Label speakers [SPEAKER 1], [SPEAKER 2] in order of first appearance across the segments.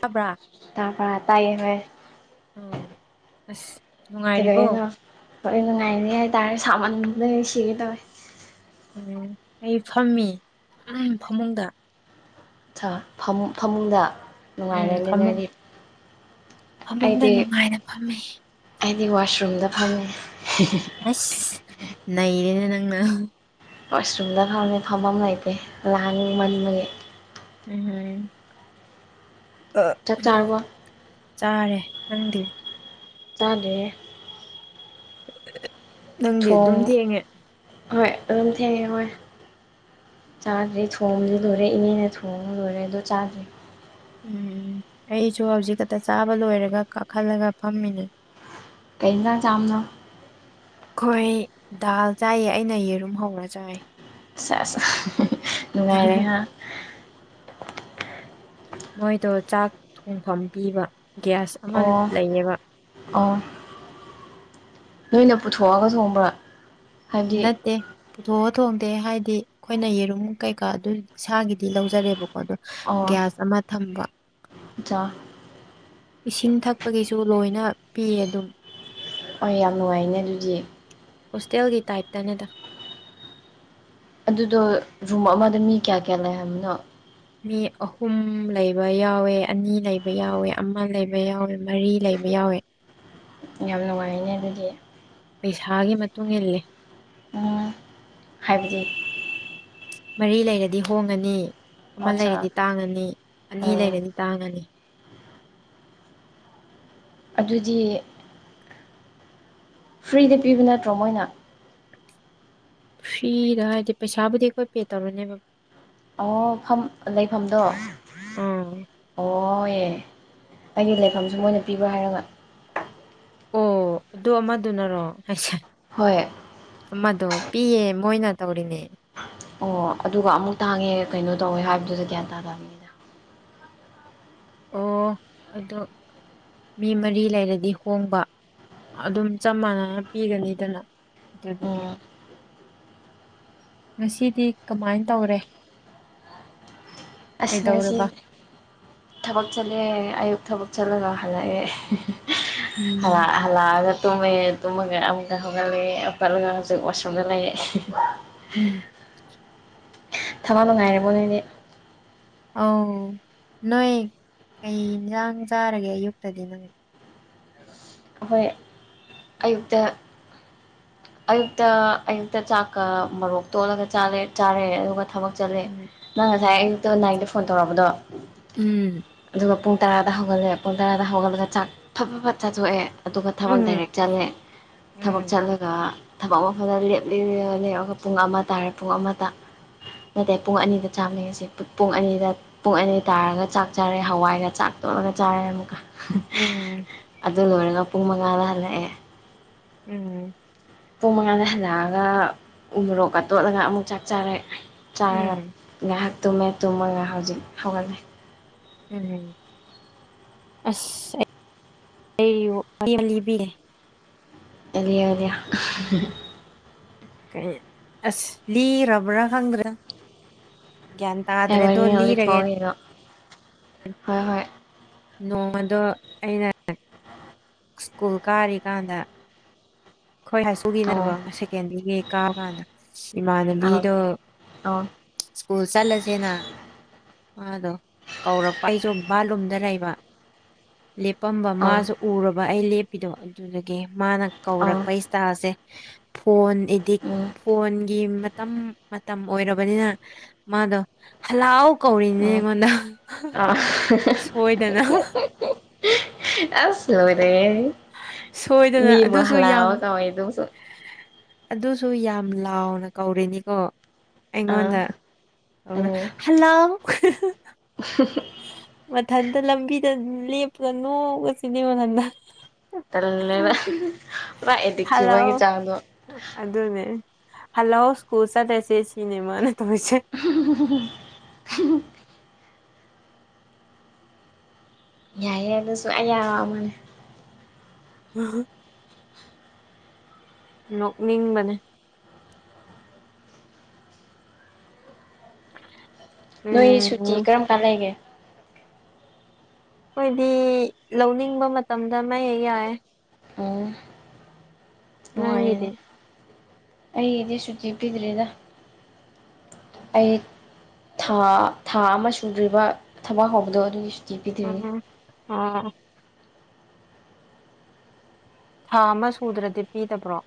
[SPEAKER 1] ꯇꯥꯕ꯭ꯔꯥ
[SPEAKER 2] ꯇꯕ꯭ꯔ ꯇꯥꯏꯌꯦ ꯍꯣꯏ
[SPEAKER 1] ꯎꯝ ꯑꯁ ꯅꯨꯡꯉꯥꯏꯔꯤꯕꯣ
[SPEAKER 2] ꯀꯩꯗꯧꯔꯤꯅꯣ ꯍꯣꯔꯦꯟ ꯅꯨꯡꯉꯥꯏꯅꯤ ꯍꯥꯏꯇꯥꯔꯦ ꯁꯥꯃꯟꯕꯩ ꯁꯤꯒꯦ ꯇꯧꯋꯦ
[SPEAKER 1] ꯎꯝ ꯑꯩ ꯐꯝꯃꯤ ꯐꯃꯨꯡꯗ
[SPEAKER 2] ꯊ ꯐꯝ ꯐꯃꯨꯡꯗ
[SPEAKER 1] ꯎꯝ
[SPEAKER 2] ꯅꯨꯡꯉꯥꯏꯔꯅꯤ
[SPEAKER 1] ꯐꯃꯨꯡ
[SPEAKER 2] ꯅꯣꯏꯗꯤ
[SPEAKER 1] ꯐꯃꯨꯡꯗ
[SPEAKER 2] ꯑꯩꯗꯤ
[SPEAKER 1] ꯅꯨꯡꯉꯥꯏꯅ ꯐꯝꯃꯤ
[SPEAKER 2] ꯑꯩꯗꯤ ꯋꯥꯁꯔꯨꯝꯗ ꯐꯝꯃꯤ
[SPEAKER 1] ꯍꯩꯁ ꯅꯩꯔꯦꯅꯦ ꯅꯪꯅ
[SPEAKER 2] ꯋꯥꯁꯔꯨꯝꯗ ꯐꯝꯃꯦ ꯐꯝꯕꯝ ꯂꯩꯇꯦ ꯂꯥꯡꯅꯤꯡꯃꯟꯕꯒꯤ
[SPEAKER 1] ꯎꯝꯍꯨꯝ
[SPEAKER 2] ꯆꯥꯛ ꯆꯥꯔꯕꯣ
[SPEAKER 1] [inaudible] ꯆꯥꯔꯦ ꯅꯪꯗꯤ
[SPEAKER 2] ꯆꯥꯗ꯭ꯔꯤꯌꯦ
[SPEAKER 1] [inaudible] ꯅꯪꯗꯤ
[SPEAKER 2] ꯊꯣꯡ
[SPEAKER 1] ꯑꯗꯨꯝ ꯊꯦꯡꯉꯦ
[SPEAKER 2] ꯍꯣꯏ ꯑꯗꯨꯝ ꯊꯦꯡꯉꯦ ꯍꯣꯏ ꯆꯥꯗ꯭ꯔꯤ ꯊꯣꯡꯕꯗꯤ ꯂꯣꯏꯔꯦ ꯏꯅꯦꯅ ꯊꯣꯡ ꯂꯣꯏꯔꯦ ꯑꯗꯨ ꯆꯥꯗ꯭ꯔꯤ
[SPEAKER 1] ꯎꯝ ꯑꯩꯁꯨ ꯍꯧꯖꯤꯛ ꯈꯛꯇ ꯆꯥꯕ ꯂꯣꯏꯔꯒ ꯀꯥꯈꯠꯂꯒ ꯐꯝꯃꯤꯅꯤ
[SPEAKER 2] ꯀꯩ ꯢꯟꯖꯥꯡ ꯆꯥꯝꯅꯣ
[SPEAKER 1] ꯈꯣꯏ ꯗꯥꯜ ꯆꯥꯏꯌꯦ ꯑꯩꯅ ꯌꯦꯔꯨꯝ ꯍꯧꯔ ꯆꯥꯏ
[SPEAKER 2] ꯁꯦꯁ ꯅꯨꯡꯉꯥꯏꯔꯦ ꯍꯥ
[SPEAKER 1] ꯃꯣꯏꯗꯣ ꯆꯥꯛ ꯊꯣꯡꯐꯝ ꯄꯤꯕ ꯒ꯭ꯌꯥꯁ ꯑꯃ
[SPEAKER 2] ꯑꯣ
[SPEAKER 1] ꯂꯩꯌꯦꯕ
[SPEAKER 2] ꯑꯣꯥ ꯅꯣꯏꯅ ꯄꯨꯊꯣꯛꯑꯒ ꯊꯣꯡꯕ꯭ꯔꯥ ꯍꯥꯏꯕꯗꯤ
[SPEAKER 1] ꯅꯠ ꯇꯦ ꯄꯨꯊꯣꯛꯑ ꯊꯣꯡꯗꯦ ꯍꯥꯏꯗꯤ ꯈꯣꯏꯅ ꯌꯦꯔꯨꯝ ꯀꯩꯀꯥ ꯑꯗꯨ ꯏꯁꯥꯒꯤꯗꯤ ꯂꯧꯖꯔꯦꯕꯀꯣ ꯑꯗꯣ ꯒ꯭ꯌꯥꯁ ꯑꯃ ꯊꯝꯕ
[SPEAKER 2] ꯖꯥ
[SPEAKER 1] ꯏꯁꯤꯡ ꯊꯛꯄꯒꯤꯁꯨ ꯂꯣꯏꯅ ꯄꯤꯌꯦ ꯑꯗꯨꯝ
[SPEAKER 2] ꯑꯣ ꯌꯥꯝ ꯅꯨꯡꯉꯥꯏꯅꯦ ꯑꯗꯨꯗꯤ
[SPEAKER 1] ꯍꯣꯁꯇꯦꯜꯒꯤ ꯇꯥꯏꯞꯇꯅꯦꯗ
[SPEAKER 2] ꯑꯗꯨꯗꯣ ꯔꯨꯝ ꯑꯃꯗ ꯃꯤ ꯀꯌꯥ ꯀꯌꯥ ꯂꯩ ꯍꯥꯏꯕꯅꯣ
[SPEAKER 1] ꯃꯤ ꯑꯍꯨꯝ ꯂꯩꯕ ꯌꯥꯎꯋꯦ ꯑꯅꯤ ꯂꯩꯕ ꯌꯥꯎꯋꯦ ꯑꯃ ꯂꯩꯕ ꯌꯥꯎꯋꯦ ꯃꯔꯤ ꯂꯩꯕ ꯌꯥꯎꯋꯦ
[SPEAKER 2] ꯌꯥꯝ ꯅꯨꯡꯉꯥꯏꯅꯦ ꯑꯗꯨꯗꯤ
[SPEAKER 1] ꯄꯩꯁꯥꯒꯤ ꯃꯇꯨꯡ ꯏꯜꯂꯦ
[SPEAKER 2] ꯑꯣ ꯍꯥꯏꯕꯗꯤ
[SPEAKER 1] ꯃꯔꯤ ꯂꯩꯔꯗꯤ ꯍꯣꯡꯉꯅꯤ ꯑꯃ
[SPEAKER 2] ꯑꯠꯆꯥ
[SPEAKER 1] ꯂꯩꯔꯗꯤ ꯇꯥꯡꯉꯅꯤ ꯑꯅꯤ
[SPEAKER 2] ꯑꯣ
[SPEAKER 1] ꯂꯩꯔꯗꯤ ꯇꯥꯡꯉꯅꯤ
[SPEAKER 2] ꯑꯗꯨꯗꯤ ꯐ꯭ꯔꯤꯗ ꯄꯤꯕ ꯅꯠꯇ꯭ꯔꯣ ꯃꯣꯏꯅ
[SPEAKER 1] ꯐꯤꯗꯥ ꯍꯥꯏꯗꯤ ꯄꯩꯁꯥꯕꯨꯗꯤ ꯑꯈꯣꯏ ꯄꯦꯠ ꯇꯧꯔꯅꯦꯕ
[SPEAKER 2] ꯑꯣ ꯐꯝ ꯂꯩꯐꯝꯗꯣ
[SPEAKER 1] ꯑꯥ
[SPEAKER 2] ꯑꯣꯌꯦ ꯑꯩꯒꯤ ꯂꯩꯐꯝꯁꯨ ꯃꯣꯏꯅ ꯄꯤꯕ ꯍꯥꯏꯔꯒ
[SPEAKER 1] ꯑꯣ ꯑꯗꯨ ꯑꯃꯗꯨꯅꯔꯣ ꯍꯥꯏꯁꯦ
[SPEAKER 2] ꯍꯣꯏ
[SPEAKER 1] ꯑꯃꯗꯣ ꯄꯤꯌꯦ ꯃꯣꯏꯅ ꯇꯧꯔꯤꯅꯦ
[SPEAKER 2] ꯑꯣ ꯑꯗꯨꯒꯥ ꯑꯃꯨꯛ ꯇꯥꯡꯉꯦ ꯀꯩꯅꯣ ꯇꯧꯋꯦ ꯍꯥꯏꯕꯗꯨꯗ ꯒ꯭ꯌꯥꯟ ꯇꯥꯗꯝꯅꯤ
[SPEAKER 1] ꯑꯣ ꯑꯗꯣ ꯃꯤ ꯃꯔꯤ ꯂꯩꯔꯗꯤ ꯍꯣꯡꯕ ꯑꯗꯨꯝ ꯆꯞ ꯃꯥꯟꯅꯥꯅ ꯄꯤꯒꯅꯤꯗꯅ ꯑꯗꯨꯗꯨꯒꯤ
[SPEAKER 2] ꯎꯝ
[SPEAKER 1] ꯉꯁꯤꯗꯤ ꯀꯃꯥꯏꯟ ꯇꯧꯔꯦ
[SPEAKER 2] ꯑꯁ ꯉꯁꯤ
[SPEAKER 1] ꯀꯩꯗꯧꯔꯕ
[SPEAKER 2] ꯊꯕꯛ ꯆꯠꯂꯦ ꯑꯌꯨꯛ ꯊꯕꯛ ꯆꯠꯂꯒ ꯍꯜꯂꯛꯑꯦ ꯍꯥꯜꯂ
[SPEAKER 1] ꯎꯝ
[SPEAKER 2] ꯍꯜꯂꯥꯑꯒꯥ ꯇꯨꯝꯃꯦ ꯇꯨꯝꯃꯒꯥ ꯑꯃꯨꯛꯒꯥ ꯍꯧꯒꯠꯂꯛꯑꯦ ꯍꯧꯒꯠꯂꯒꯥ ꯍꯧꯖꯤꯛ ꯋꯥꯁꯔꯨꯝꯗ ꯂꯩ
[SPEAKER 1] ꯎꯝ
[SPEAKER 2] ꯊꯕꯥꯛ ꯅꯨꯡꯉꯥꯏꯔꯤꯕꯣ ꯅꯣꯏꯅꯤ
[SPEAKER 1] ꯑꯧ ꯅꯣꯏ ꯀꯩ ꯏꯟꯖꯥꯡ ꯆꯥꯔꯒꯦ ꯑꯌꯨꯛꯇꯥꯗꯤ ꯅꯪ
[SPEAKER 2] ꯑꯈꯣꯏ ꯑꯌꯨꯛꯇꯥ ꯑꯌꯨꯛꯇꯥ ꯑꯌꯨꯛꯇꯥ ꯆꯥꯛꯀꯥ ꯃꯣꯔꯣꯛ ꯇꯣꯠꯂꯒ ꯆꯥꯔꯦ ꯆꯥꯔꯦ ꯑꯗꯨꯒ ꯊꯕꯛ ꯆꯠꯂꯦ
[SPEAKER 1] ꯎꯝ
[SPEAKER 2] ꯅꯪ ꯉꯁꯥꯏ
[SPEAKER 1] ꯎꯝ
[SPEAKER 2] ꯑꯌꯨꯛꯇꯥ ꯅꯥꯥꯏꯟꯗ ꯐꯣꯟ ꯇꯧꯔꯛꯄꯗꯣ
[SPEAKER 1] ꯎꯝ
[SPEAKER 2] ꯑꯗꯨꯒ ꯄꯨꯡ ꯇꯔꯥꯗ ꯍꯧꯒꯠꯂꯦ ꯄꯨꯡ ꯇꯔꯥꯗ ꯍꯧꯒꯠꯂꯒ ꯆꯥꯛ ꯐꯥ ꯐꯥ ꯐꯠ ꯆꯥꯊꯣꯛꯑꯦ ꯑꯗꯨꯒ ꯊꯕꯛ ꯗꯥꯏꯔꯦꯛ
[SPEAKER 1] ꯎꯝ
[SPEAKER 2] ꯆꯠꯂꯦ ꯊꯕꯛ
[SPEAKER 1] ꯎꯝ
[SPEAKER 2] ꯆꯠꯂꯥ ꯒꯥ ꯊꯕꯛ ꯃꯐꯝꯗ ꯂꯦꯞꯂꯤ [unintelligible] ꯑꯗꯨꯒ ꯄꯨꯡ ꯑꯃ ꯇꯥꯔꯦ ꯄꯨꯡ ꯑꯃꯗ ꯅꯠꯇꯦ ꯄꯨꯡ ꯑꯅꯤꯗ ꯆꯥꯕꯅꯤ ꯉꯁꯤ ꯄꯨꯡ ꯑꯅꯤꯗ ꯄꯨꯡ ꯑꯅꯤ ꯇꯥꯔꯒ ꯆꯥꯛ ꯆꯥꯔꯦ ꯍꯋꯥꯏꯒ ꯆꯥꯛ ꯇꯣꯠꯂꯒ ꯆꯥꯔꯦ ꯑꯃꯨꯛꯀꯥ
[SPEAKER 1] ꯎꯝ
[SPEAKER 2] ꯑꯗꯨ ꯂꯣꯏꯔꯒꯥ ꯄꯨꯡ ꯃꯉꯥꯗ ꯍꯜꯂꯛꯑꯦ
[SPEAKER 1] ꯎꯝ
[SPEAKER 2] ꯄꯨꯡ ꯃꯉꯥꯗ ꯍꯜꯂꯛꯑꯒ ꯎꯃꯣꯔꯣꯛꯀꯥ ꯇꯣꯠꯂꯒꯥ ꯑꯃꯨꯛ ꯆꯥꯛ ꯆꯥꯔꯦ ꯆꯥꯔꯒ
[SPEAKER 1] ꯎꯝ
[SPEAKER 2] ꯉꯥꯏꯍꯥꯛ ꯇꯨꯝꯃꯦ ꯇꯨꯝꯃꯒ ꯍꯧꯖꯤꯛ ꯍꯧꯒꯠꯂꯦ
[SPEAKER 1] ꯎꯝ ꯑꯁ ꯑꯩ [unintelligible] ꯂꯤꯕꯤꯒꯦ
[SPEAKER 2] ꯑꯦ ꯂꯤꯌꯣ ꯂꯤꯌꯣ
[SPEAKER 1] ꯀꯩ ꯑꯁ ꯂꯤꯔꯕ꯭ꯔꯥ ꯈꯪꯗ꯭ꯔꯦꯗ ꯒ꯭ꯌꯥꯟ
[SPEAKER 2] ꯀꯩ
[SPEAKER 1] ꯇꯥꯗ꯭ꯔꯦꯗꯣ
[SPEAKER 2] ꯋꯥꯔꯤꯅꯣ
[SPEAKER 1] ꯂꯤꯔꯒꯦ
[SPEAKER 2] ꯂꯤꯊꯣꯛꯑꯣ ꯀꯩꯅꯣ ꯍꯣꯏ ꯍꯣꯏ
[SPEAKER 1] ꯅꯣꯡꯃꯗꯣ ꯑꯩꯅ ꯁ꯭ꯀꯨꯜ ꯀꯥꯔꯤꯀꯥꯟꯗ ꯈꯣꯏ ꯍꯥꯏꯁ
[SPEAKER 2] ꯑꯧ
[SPEAKER 1] ꯄꯨꯒꯤꯅꯕ ꯁꯦꯀꯦꯟꯗ꯭ꯔꯤꯒꯤ ꯀꯥꯕ ꯀꯥꯟꯗ
[SPEAKER 2] ꯑꯧ
[SPEAKER 1] ꯏꯃꯥꯟꯅꯕꯤꯗꯣ
[SPEAKER 2] ꯑꯧ
[SPEAKER 1] ꯁ꯭ꯀꯨꯜ ꯆꯠꯂꯁꯦꯅ ꯃꯥꯗꯣ ꯀꯧꯔꯛꯄ ꯑꯩꯁꯨ ꯕꯥꯜꯂꯨꯝꯗ ꯂꯩꯕ ꯂꯦꯞꯄꯝꯕ
[SPEAKER 2] ꯑꯧ
[SPEAKER 1] ꯃꯥꯖꯨ ꯎꯔꯥꯕ ꯑꯩ ꯂꯦꯞꯄꯤꯗꯣ ꯑꯗꯨꯗꯒꯤ ꯃꯥꯅ
[SPEAKER 2] ꯑꯧ
[SPEAKER 1] ꯀꯧꯔꯛꯄ ꯏꯁꯇꯥꯜꯁꯦ ꯐꯣꯟ ꯑꯦꯗꯤꯛ
[SPEAKER 2] ꯎꯝ
[SPEAKER 1] ꯐꯣꯟꯒꯤ ꯃꯇꯝ ꯃꯇꯝ ꯑꯣꯏꯔꯕꯅꯤꯅ ꯃꯥꯗꯣ ꯍꯂꯥꯎ ꯀꯧꯔꯤꯅꯤꯅꯦ
[SPEAKER 2] ꯎꯝ
[SPEAKER 1] ꯑꯩꯉꯣꯟꯗ
[SPEAKER 2] [unintelligible]
[SPEAKER 1] ꯁꯣꯏꯗꯅ
[SPEAKER 2] ꯑꯁ ꯂꯣꯏꯔꯦꯍꯦ
[SPEAKER 1] ꯁꯣꯏꯗꯅ
[SPEAKER 2] ꯃꯤꯕꯨ
[SPEAKER 1] ꯑꯗꯨꯁꯨ
[SPEAKER 2] ꯍꯂꯥꯎ
[SPEAKER 1] ꯌꯥꯝ
[SPEAKER 2] ꯀꯥꯎꯋꯤꯗꯨꯁꯨ
[SPEAKER 1] ꯑꯗꯨꯁꯨ ꯌꯥꯝ ꯂꯥꯎꯅ ꯀꯧꯔꯤꯅꯤꯀꯣ
[SPEAKER 2] ꯑꯥ
[SPEAKER 1] ꯑꯩꯉꯣꯟꯗ ꯇꯧꯔ
[SPEAKER 2] ꯎꯝ
[SPEAKER 1] ꯍꯜꯂꯥꯎ
[SPEAKER 2] [unintelligible]
[SPEAKER 1] ꯃꯊꯟꯇ ꯂꯝꯕꯤꯗ ꯂꯦꯞꯄꯒ ꯅꯣꯛꯄꯁꯤꯅꯦ ꯃꯊꯟꯗ
[SPEAKER 2] ꯇꯜꯂꯦꯕ ꯃꯥ ꯑꯦꯗꯤꯛ
[SPEAKER 1] ꯍꯜꯂꯥꯎ
[SPEAKER 2] ꯆꯨꯕꯒꯤ ꯆꯥꯡꯗꯣ
[SPEAKER 1] ꯑꯗꯨꯅꯦ ꯍꯜꯂꯣ ꯁ꯭ꯀꯨꯜ ꯆꯠꯂꯁꯦ ꯁꯤꯅꯦ ꯃꯥꯅ ꯇꯧꯔꯤꯁꯦ
[SPEAKER 2] [unintelligible] ꯌꯥꯏꯌꯦ ꯑꯗꯨꯁꯨ ꯑꯌꯥꯕꯅꯦ
[SPEAKER 1] [unintelligible] ꯅꯣꯛꯅꯤꯡꯕꯅꯦ
[SPEAKER 2] ꯅꯣꯏ ꯁꯨꯇꯤ
[SPEAKER 1] ꯎꯝ
[SPEAKER 2] ꯀꯔꯝ ꯀꯥꯟ ꯂꯩꯒꯦ
[SPEAKER 1] ꯑꯩꯈꯣꯏꯗꯤ ꯂꯧꯅꯤꯡꯕ ꯃꯇꯝꯗ ꯑꯃ ꯍꯦꯛ ꯌꯥꯏ
[SPEAKER 2] ꯑꯣ
[SPEAKER 1] ꯅꯪꯒꯤꯗꯤ
[SPEAKER 2] ꯅꯨꯡꯉꯥꯏꯌꯦꯅꯦ ꯑꯩꯗꯤ ꯁꯨꯇꯤ ꯄꯤꯗ꯭ꯔꯤꯗ ꯑꯩ ꯊꯥ ꯊꯥ ꯑꯃ ꯁꯨꯗ꯭ꯔꯤꯕ ꯊꯕꯛ ꯍꯧꯕꯗꯣ ꯑꯗꯨꯒꯤ ꯁꯨꯇꯤ ꯄꯤꯗ꯭ꯔꯤ
[SPEAKER 1] ꯎꯝ ꯑꯣ ꯊꯥ ꯑꯃ ꯁꯨꯗ꯭ꯔꯗꯤ ꯄꯤꯗꯕ꯭ꯔꯣ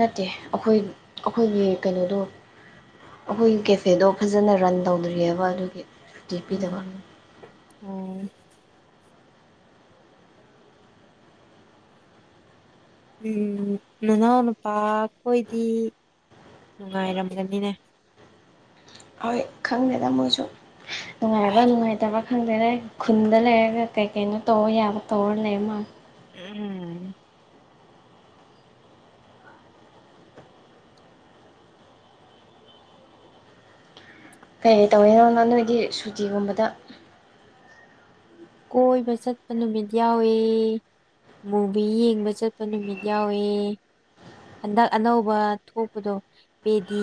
[SPEAKER 2] ꯅꯠꯇꯦ ꯑꯩꯈꯣꯏ ꯑꯩꯈꯣꯏꯒꯤ ꯀꯩꯅꯣꯗꯣ ꯑꯩꯈꯣꯏꯒꯤ ꯀꯦꯐꯦꯗꯣ ꯐꯖꯅ ꯔꯟ ꯇꯧꯗ꯭ꯔꯤꯌꯦꯕ ꯑꯗꯨꯒꯤ ꯁꯨꯇꯤ ꯄꯤꯗꯕ
[SPEAKER 1] ꯎꯝ ꯑꯣ ꯎꯝ ꯅꯅꯥꯎ ꯅꯨꯄꯥꯈꯣꯏꯗꯤ ꯅꯨꯡꯉꯥꯏꯔꯝꯒꯅꯤꯅꯦ
[SPEAKER 2] ꯍꯣꯏ ꯈꯪꯗꯦꯗ ꯃꯣꯏꯁꯨ ꯅꯨꯡꯉꯥꯏꯕ ꯅꯨꯡꯉꯥꯏꯇꯕ ꯈꯪꯗꯦꯗ ꯑꯩ ꯈꯨꯟꯗ ꯂꯩꯔꯒ ꯀꯩ ꯀꯩꯅꯣ ꯇꯧꯕ ꯌꯥꯕ ꯇꯧꯔ ꯂꯩ ꯃꯥꯜꯂꯦ
[SPEAKER 1] ꯎꯝ
[SPEAKER 2] ꯀꯩꯩ ꯇꯧꯔꯤꯅꯣ ꯅ ꯅꯣꯏꯒꯤ ꯁꯨꯇꯤꯒꯨꯝꯕꯗ
[SPEAKER 1] ꯀꯣꯏꯕ ꯆꯠꯄ ꯅꯨꯃꯤꯠ ꯌꯥꯎꯏ ꯃꯨꯚꯤ ꯌꯦꯡꯕ ꯆꯠꯄ ꯅꯨꯃꯤꯠ ꯌꯥꯎꯋꯤ ꯍꯟꯗꯛ ꯑꯅꯧꯕ ꯊꯣꯛꯄꯗꯣ ꯄꯦꯗꯤ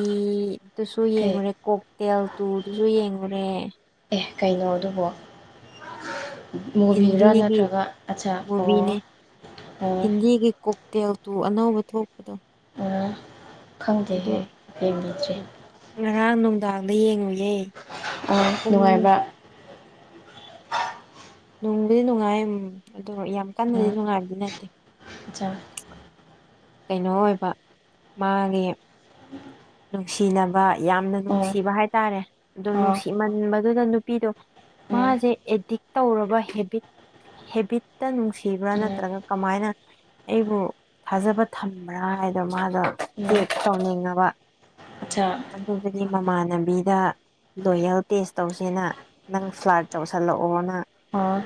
[SPEAKER 1] ꯇꯨꯁꯨ
[SPEAKER 2] ꯀꯩ
[SPEAKER 1] ꯌꯦꯡꯉꯨꯔꯦ ꯀꯣꯛ ꯇꯦꯜ ꯇꯨꯗꯨꯁꯨ ꯌꯦꯡꯉꯨꯔꯦ
[SPEAKER 2] ꯑꯦ ꯀꯩꯅꯣ ꯑꯗꯨꯕꯣ ꯃꯨꯚꯤꯔ
[SPEAKER 1] ꯍꯤꯟꯗꯤꯒꯤ
[SPEAKER 2] ꯅꯠꯇ꯭ꯔꯒ ꯑꯆꯥꯄꯣꯠ
[SPEAKER 1] ꯃꯤꯒꯤ ꯀꯣꯛ ꯇꯦꯜꯇꯨ ꯑꯅꯧꯕ ꯊꯣꯛꯄꯗꯣ
[SPEAKER 2] ꯑ
[SPEAKER 1] ꯑꯗꯨ
[SPEAKER 2] ꯈꯪꯗꯦꯍꯦ ꯌꯦꯡꯕꯤꯗ꯭ꯔꯤ
[SPEAKER 1] ꯉꯔꯥꯡ ꯅꯨꯡꯗꯥꯡꯗ ꯌꯦꯡꯉꯨꯌꯦ
[SPEAKER 2] ꯑ
[SPEAKER 1] ꯄꯨꯡ
[SPEAKER 2] ꯅꯨꯡꯉꯥꯏꯕ
[SPEAKER 1] ꯅꯨꯡꯕꯨꯗꯤ ꯅꯨꯡꯉꯥꯏꯌꯦ ꯎꯝ ꯑꯗꯨꯒ ꯌꯥꯝ ꯀꯟꯅꯗꯤ
[SPEAKER 2] ꯎꯝ
[SPEAKER 1] ꯅꯨꯡꯉꯥꯏꯕꯗꯤ ꯅꯠꯇꯦ
[SPEAKER 2] [inaudible]
[SPEAKER 1] ꯀꯩꯅꯣ ꯑꯣꯏꯕ ꯃꯥꯒꯤ
[SPEAKER 2] [unintelligible]
[SPEAKER 1] ꯅꯨꯡꯁꯤꯅꯕ ꯌꯥꯝꯅ
[SPEAKER 2] ꯑꯣ
[SPEAKER 1] ꯅꯨꯡꯁꯤꯕ ꯍꯥꯏꯇꯥꯔꯦ ꯑꯗꯣ
[SPEAKER 2] ꯑꯥ
[SPEAKER 1] ꯅꯨꯡꯁꯤꯃꯟꯕꯗꯨꯗ ꯅꯨꯄꯤꯗꯣ
[SPEAKER 2] ꯎꯝ
[SPEAKER 1] ꯃꯥꯖꯦ ꯑꯦꯗꯤꯛ ꯇꯧꯔꯕ ꯍꯦꯕꯤꯠ ꯍꯦꯕꯤꯠ ꯍꯦꯛꯇ ꯅꯨꯡꯁꯤꯕ꯭ꯔꯥ
[SPEAKER 2] ꯎꯝ
[SPEAKER 1] ꯅꯠꯇ꯭ꯔꯒ ꯀꯃꯥꯏꯅ ꯑꯩꯕꯨ ꯊꯥꯖꯕ ꯊꯝꯕ꯭ꯔꯥ ꯍꯥꯏꯗꯣ ꯃꯥꯗꯣ ꯆꯦꯛ ꯇꯧꯅꯤꯡꯉꯕ
[SPEAKER 2] ꯆꯥ
[SPEAKER 1] ꯑꯗꯨꯗꯤ ꯃꯃꯥꯟꯅꯕꯤꯗ ꯂꯣꯌꯦꯜ ꯇꯦꯁ ꯇꯧꯁꯤꯅ ꯅꯪ ꯐ꯭ꯂꯥꯠ ꯇꯧꯁꯜꯂꯛꯑꯣꯅ
[SPEAKER 2] ꯑꯥ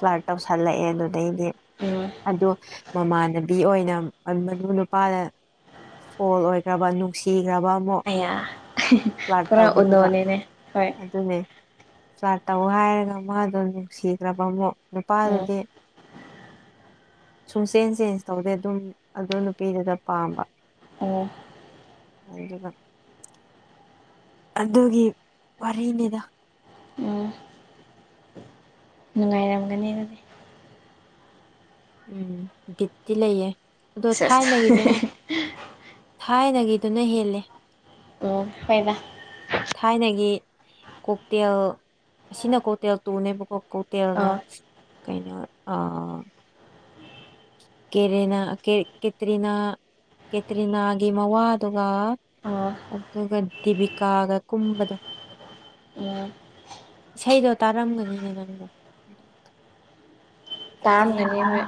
[SPEAKER 1] ꯄꯥꯔꯠ ꯇꯧꯁꯜꯂꯛꯑꯦ ꯑꯗꯨꯗꯩꯗꯤ
[SPEAKER 2] ꯑꯣ
[SPEAKER 1] ꯑꯗꯣ ꯃꯃꯥꯟꯅꯕꯤ ꯑꯣꯏꯅ ꯃꯗꯨ ꯅꯨꯄꯥꯗ ꯐꯣꯜ ꯑꯣꯏꯈ꯭ꯔꯕ ꯅꯨꯡꯁꯤꯈ꯭ꯔꯕ ꯑꯃꯨꯛ
[SPEAKER 2] ꯑꯌꯥ
[SPEAKER 1] ꯁꯠ
[SPEAKER 2] ꯄꯨꯔꯥ
[SPEAKER 1] ꯇꯧꯕꯗꯨꯒ
[SPEAKER 2] ꯎꯅꯣꯅꯤꯅꯦ ꯍꯣꯏ
[SPEAKER 1] ꯑꯗꯨꯅꯦ ꯐ꯭ꯂꯥꯠ ꯇꯧ ꯍꯥꯏꯔꯒ ꯃꯥꯗꯣ ꯅꯨꯡꯁꯤꯈ꯭ꯔꯕ ꯑꯃꯣꯛ
[SPEAKER 2] ꯎꯝ
[SPEAKER 1] ꯅꯨꯄꯥꯗꯨꯗꯤ ꯁꯨꯡꯆꯦꯟ ꯆꯦꯟꯖ ꯇꯧꯗꯦ ꯑꯗꯨꯝ ꯑꯗꯨ ꯅꯨꯄꯤꯗꯨꯗ ꯄꯥꯝꯕ
[SPEAKER 2] ꯑꯣ
[SPEAKER 1] ꯑꯗꯨꯗꯨꯅꯥ ꯑꯗꯨꯒꯤ ꯋꯥꯔꯤꯅꯤꯗ
[SPEAKER 2] ꯎꯝ ꯅꯨꯡꯉꯥꯏꯔꯝꯒꯅꯤ ꯑꯗꯨꯗꯤ
[SPEAKER 1] ꯎꯝ ꯒꯤꯐꯇꯤ ꯂꯩꯌꯦ ꯑꯗꯣ
[SPEAKER 2] ꯁꯦꯁ
[SPEAKER 1] ꯊꯥꯏꯅꯒꯤꯗꯪ ꯊꯥꯏꯅꯒꯤꯗꯨꯅ ꯍꯦꯜꯂꯦ
[SPEAKER 2] ꯍ‌ꯣꯏꯗ
[SPEAKER 1] ꯊꯥꯏꯅꯒꯤ ꯀꯣꯛꯇꯦꯜ ꯑꯁꯤꯅ ꯀꯣꯛꯇꯦꯜ ꯇꯨꯅꯦꯕꯀꯣꯛ ꯀꯣꯇꯦꯜꯅ
[SPEAKER 2] ꯑꯣ
[SPEAKER 1] ꯀꯩꯅꯣ ꯑ ꯀꯦꯅꯥ ꯀꯦ ꯀꯦꯇꯔꯤꯅ ꯀꯦꯇ꯭ꯔꯤꯅꯥꯒꯤ ꯃꯋꯥꯗꯨꯒ
[SPEAKER 2] ꯑꯣ
[SPEAKER 1] ꯑꯗꯨꯒ ꯗꯤꯕꯤꯀꯥꯒ ꯀꯨꯝꯕꯗꯣ
[SPEAKER 2] ꯑꯣ
[SPEAKER 1] ꯏꯁꯩꯗꯣ ꯇꯥꯔꯝꯒꯅꯤꯅꯦ ꯅꯪꯗꯣ
[SPEAKER 2] ꯇꯥꯔꯒꯅꯤ ꯍ‌ꯣꯏ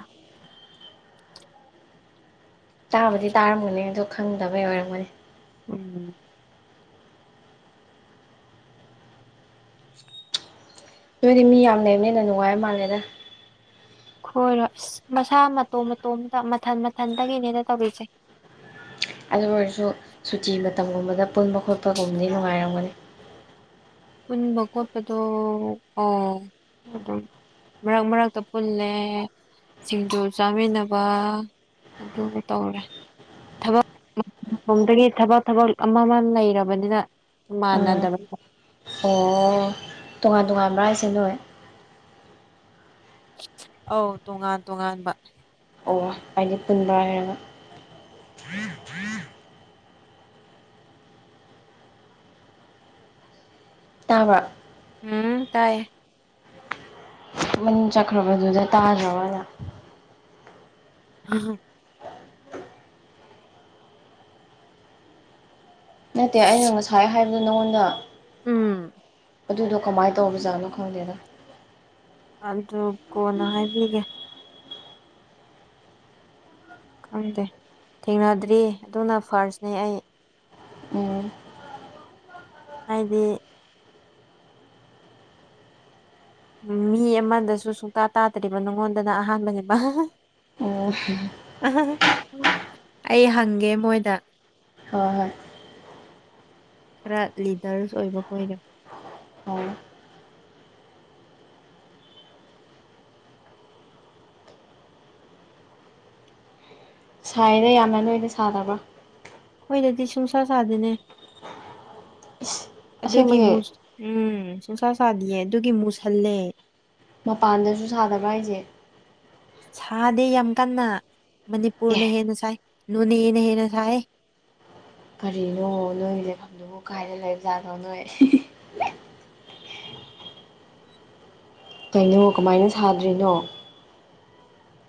[SPEAKER 2] ꯇꯥꯕꯗꯤ ꯇꯥꯔꯝꯒꯅꯤ ꯑꯗꯣ ꯈꯪꯗꯕꯩ ꯑꯣꯏꯔꯝꯒꯅꯤ
[SPEAKER 1] ꯎꯝ
[SPEAKER 2] ꯅꯣꯏꯗꯤ ꯃꯤ ꯌꯥꯝ ꯂꯩꯕꯅꯤꯅ ꯅꯨꯡꯉꯥꯏꯕ ꯃꯥꯜꯂꯦꯗ
[SPEAKER 1] ꯍꯣꯏꯔꯣꯏ ꯑꯁ ꯃꯁꯥ ꯃꯇꯣꯝ ꯃꯇꯣꯝꯗ ꯃꯊꯟ ꯃꯊꯟꯗꯒꯤꯅꯦꯅ ꯇꯧꯔꯤꯁ‌ꯦ
[SPEAKER 2] ꯑꯗꯨ ꯑꯣꯏꯔꯁꯨ ꯁꯨꯇꯤ ꯃꯇꯝꯒꯨꯝꯕꯗ ꯄꯨꯟꯕ ꯈꯣꯠꯄꯒꯨꯝꯕꯗꯤ ꯅꯨꯡꯉꯥꯏꯔꯝꯒꯅꯤ
[SPEAKER 1] ꯄꯨꯀꯣꯠꯇꯣ ꯑꯣ ꯑꯗꯨꯝ ꯃꯔꯛ ꯃꯔꯛꯇ ꯄꯨꯜꯂꯦ ꯁꯤꯡꯖꯨ ꯆꯥꯃꯤꯟꯅꯕ ꯑꯗꯨ ꯇꯧꯔꯦ ꯊꯕꯛꯗꯒꯤ ꯊꯕꯛ ꯊꯕꯛ ꯑꯃ ꯑꯃ ꯂꯩꯔꯕꯅꯤꯅ
[SPEAKER 2] ꯑꯥ
[SPEAKER 1] ꯃꯥꯅꯗꯕ
[SPEAKER 2] ꯑꯣ ꯇꯣꯉꯥꯟ ꯇꯣꯉꯥꯟꯕ ꯍꯥꯏꯁꯦ ꯅꯣꯏ
[SPEAKER 1] ꯑꯧ ꯇꯣꯉꯥꯟ ꯇꯣꯉꯥꯟꯕ
[SPEAKER 2] ꯍꯥꯏꯗꯤ ꯄꯨꯨꯟꯕ ꯍꯥꯏꯔꯒ ꯇꯥꯕ꯭ꯔ
[SPEAKER 1] ꯎꯝ ꯇꯥꯏꯌꯦ
[SPEAKER 2] ꯃꯟ ꯆꯠꯈ꯭ꯔꯕꯗꯨꯗ ꯇꯥꯗ‍꯭ꯔꯥꯕꯅ
[SPEAKER 1] [unintelligible]
[SPEAKER 2] ꯅꯠꯇꯦ ꯑꯩꯅ ꯉꯁꯥꯏ ꯍꯥꯏ ꯑꯗꯣ ꯅꯪꯉꯣꯟꯗ
[SPEAKER 1] ꯎꯝ
[SPEAKER 2] ꯑꯗꯨꯗꯣ ꯀꯃꯥꯏꯅ ꯇꯧꯕꯖꯥꯠꯅꯣ ꯈꯪꯗꯦꯗ
[SPEAKER 1] ꯑꯗꯨ ꯀꯣꯟꯅ ꯍꯥꯏꯕꯤꯒꯦ ꯈꯪꯗꯦ ꯊꯦꯡꯅꯗ꯭ꯔꯤ ꯑꯗꯨꯅ ꯐꯥꯔꯁꯅꯦ ꯑꯩ
[SPEAKER 2] ꯎꯝ
[SPEAKER 1] ꯍꯥꯏꯗꯤ ꯎꯝ ꯃꯤ ꯑꯃꯗꯁꯨ ꯁꯨꯡꯇꯥ ꯇꯥꯗ꯭ꯔꯤꯕ ꯅꯉꯣꯟꯗꯅ ꯑꯍꯥꯟꯕꯅꯤ
[SPEAKER 2] ꯑꯣ ꯍ
[SPEAKER 1] ꯑꯩ ꯍꯪꯒꯦ ꯃꯣꯏꯗ
[SPEAKER 2] ꯍꯣꯏ ꯍꯣꯏ
[SPEAKER 1] ꯈꯔ ꯂꯤꯗꯔꯁ ꯑꯣꯏꯕ ꯀꯣꯏꯔꯦ
[SPEAKER 2] ꯑꯣ ꯁꯥꯏꯗ ꯌꯥꯝꯅ ꯅꯣꯏꯗꯤ ꯁꯥꯗꯕ꯭ꯔꯣ
[SPEAKER 1] ꯑꯩꯈꯣꯏꯗꯗꯤ ꯁꯨꯡꯁꯥ ꯁꯥꯗꯦꯅꯦ
[SPEAKER 2] ꯏꯁ
[SPEAKER 1] ꯑꯗꯨꯒꯤ ꯃꯨ
[SPEAKER 2] ꯑꯁꯦꯡꯕꯒꯤ
[SPEAKER 1] ꯎꯝ ꯁꯨꯡꯁꯥ ꯁꯥꯗꯤꯌꯦ ꯑꯗꯨꯒꯤ ꯃꯨꯁꯜꯂꯦ
[SPEAKER 2] ꯃꯄꯥꯟꯗꯁꯨ ꯁꯥꯗꯕ꯭ꯔꯥ ꯍꯥꯏꯁꯦ
[SPEAKER 1] ꯁꯥꯗꯑꯦ ꯌꯥꯝ ꯀꯟꯅ ꯃꯅꯤꯄꯨꯔꯅ
[SPEAKER 2] ꯑꯦ
[SPEAKER 1] ꯍꯦꯟꯅ ꯁꯥꯏ ꯅꯣꯅꯦꯅ ꯍꯦꯟꯅ ꯁꯥꯏ
[SPEAKER 2] ꯀꯔꯤꯅꯣ ꯅꯣꯏꯒꯤ ꯂꯩꯐꯝꯗꯨꯕꯨ ꯀꯥꯏꯅ ꯂꯩꯕꯖꯥꯠꯅꯣ ꯅꯣꯏ ꯀꯩꯅꯣ ꯀꯃꯥꯏꯅ ꯁꯥꯗ꯭ꯔꯤꯅꯣ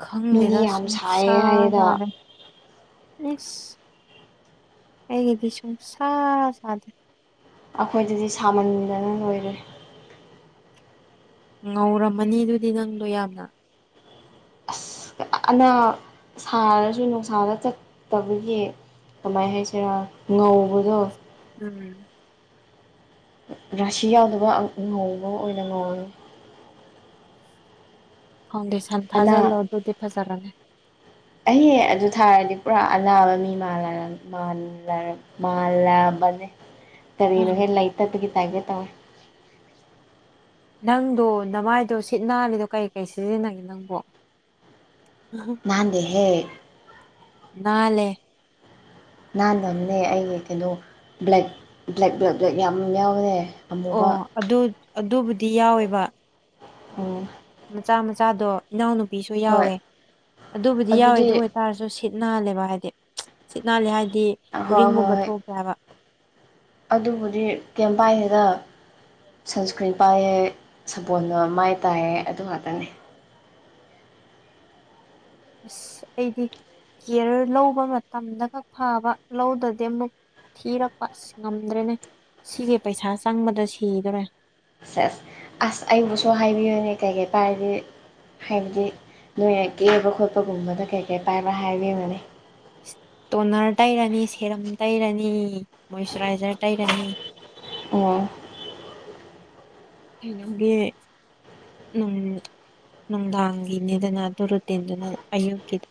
[SPEAKER 1] ꯈꯪꯗꯦꯗ
[SPEAKER 2] ꯃꯤꯗꯤ ꯌꯥꯝ ꯁꯥꯏꯌꯦ ꯍꯥꯏꯌꯦꯗ
[SPEAKER 1] ꯁꯨꯡꯁꯥꯗꯦ ꯀꯩ ꯀꯁ ꯁꯥ ꯁꯥꯗ
[SPEAKER 2] ꯑꯩꯈꯣꯏꯗꯗꯤ ꯁꯥꯃꯟꯗꯅ ꯂꯣꯏꯔꯦ
[SPEAKER 1] ꯉꯧꯔꯝꯃꯅꯤ ꯑꯗꯨꯗꯤ ꯅꯪꯗꯣ ꯌꯥꯝꯅ
[SPEAKER 2] ꯑꯁ ꯑꯅꯥ ꯁꯥꯔꯁꯨ ꯅꯨꯡꯁꯥꯗ ꯆꯠꯇꯕꯒꯤ ꯀꯃꯥꯏꯅ ꯍꯥꯏꯁꯤꯔꯥ ꯉꯧꯕꯗꯣ
[SPEAKER 1] ꯎꯝ
[SPEAKER 2] ꯔꯥꯁꯤ ꯌꯥꯎꯗꯕ ꯉꯧꯕ ꯑꯣꯏꯅ ꯉꯧꯔꯝꯉꯤ
[SPEAKER 1] ꯐꯥꯎꯟꯗꯦꯁꯟ
[SPEAKER 2] ꯑꯅꯥ
[SPEAKER 1] ꯐꯥꯖꯤꯜꯂꯣ ꯑꯗꯨꯗꯤ ꯐꯖꯔꯒꯦ
[SPEAKER 2] ꯑꯩꯍ ꯑꯗꯨ ꯊꯥꯔꯗꯤ ꯄꯨꯔꯥ ꯑꯅꯥꯕ ꯃꯤ ꯃꯥꯜꯂꯔꯝꯃꯦ ꯃꯥꯜ ꯃꯥꯂꯕꯅꯦ ꯀꯔꯤꯅꯣ
[SPEAKER 1] ꯎꯝ
[SPEAKER 2] ꯍꯂꯩꯇꯠꯇꯒꯤ ꯇꯪꯒꯦ ꯇꯧ
[SPEAKER 1] ꯅꯪꯗꯣ ꯅꯃꯥꯏꯗꯣ ꯁꯤꯠ ꯅꯥꯜꯂꯤꯗꯣ ꯀꯩ ꯀꯩ ꯁꯤꯖꯤꯟꯅꯒꯦ ꯅꯪꯕꯣ
[SPEAKER 2] ꯅꯅꯥꯗꯦ ꯍꯦ
[SPEAKER 1] ꯅꯥꯜꯂꯦ
[SPEAKER 2] ꯅꯍꯟꯕ ꯑꯃꯅꯦ ꯑꯩꯒꯤ ꯀꯩꯅꯣ ꯕ꯭ꯂꯦꯛ ꯕ꯭ꯂꯦꯛ ꯕ꯭ꯂꯦꯛ ꯕ꯭ꯂꯦꯛ ꯌꯥꯝ ꯌꯥꯎꯔꯦ ꯑꯃꯨꯕ
[SPEAKER 1] ꯑꯣ ꯑꯗꯨ ꯑꯗꯨꯕꯨꯗꯤ ꯌꯥꯎꯋꯦꯕ
[SPEAKER 2] ꯎꯝ
[SPEAKER 1] ꯃꯆꯥ ꯃꯆꯥꯗꯣ ꯏꯅꯥꯎꯅꯨꯄꯤꯁꯨ
[SPEAKER 2] ꯍꯣꯏ
[SPEAKER 1] ꯌꯥꯎꯋꯦ ꯑꯗꯨꯕꯨꯗꯤ ꯌꯥꯎꯋꯦ
[SPEAKER 2] ꯑꯗꯨꯗꯤ
[SPEAKER 1] ꯑꯗꯨ ꯇꯥꯔꯁꯨ ꯁꯤꯠ ꯅꯥꯜꯂꯦꯕ ꯍꯥꯏꯗꯤ ꯁꯤꯠ ꯅꯥꯜꯂꯦ ꯍꯥꯏꯗꯤ
[SPEAKER 2] ꯍꯣꯏ ꯍꯣꯏ
[SPEAKER 1] ꯎꯔꯤꯡꯒꯨꯝꯕ
[SPEAKER 2] ꯍꯣꯏ
[SPEAKER 1] ꯊꯣꯛꯇꯦ ꯍꯥꯏꯕ
[SPEAKER 2] ꯑꯗꯨꯕꯨꯗꯤ ꯀꯌꯥꯝ ꯄꯥꯏꯒꯦꯗ ꯁꯟꯁꯀ꯭ꯔꯤꯟ ꯄꯥꯏꯌꯦ ꯁꯄꯣꯟꯜꯅ ꯃꯥꯏ ꯇꯥꯏꯌꯦ ꯑꯗꯨ ꯉꯥꯛꯇꯅꯤ
[SPEAKER 1] ꯑꯁ ꯑꯩꯗꯤ ꯀꯦꯌꯔ ꯂꯧꯕ ꯃꯇꯝꯗ ꯈꯛ ꯐꯕ ꯂꯧꯗꯗꯤ ꯑꯃꯨꯛ ꯊꯤꯔꯛꯄ ꯑꯁ ꯉꯝꯗ꯭ꯔꯦꯅꯦ ꯁꯤꯒꯤ ꯄꯩꯁꯥ ꯆꯪꯕꯗ ꯁꯤꯗꯔꯦ
[SPEAKER 2] ꯑꯁ ꯑꯁ ꯑꯁ ꯑꯩꯕꯨꯁꯨ ꯍꯥꯏꯕꯤꯌꯨꯅꯦ ꯀꯩ ꯀꯩ ꯄꯥꯔꯗꯤ ꯍꯥꯏꯕꯗꯤ ꯅꯣꯏꯅ ꯀꯦꯕ ꯈꯣꯠꯄꯒꯨꯝꯕꯗ ꯀꯩ ꯀꯩ ꯄꯥꯏꯕ ꯍꯥꯏꯕꯅꯅꯤ
[SPEAKER 1] ꯏꯁꯇꯣꯅꯔ ꯇꯩꯔꯅꯤ ꯁꯦꯔꯝ ꯇꯩꯔꯅꯤ ꯃꯣꯏꯆꯔꯥꯏꯖꯔ ꯇꯩꯔꯅꯤ
[SPEAKER 2] ꯑꯣ
[SPEAKER 1] ꯈꯩꯟꯅꯣꯒꯤ ꯎꯝ ꯅꯨꯡꯗꯥꯡꯒꯤꯅꯤꯗꯅ ꯑꯗꯨ ꯔꯨꯇꯤꯟꯗꯨꯅ ꯑꯌꯨꯛꯀꯤ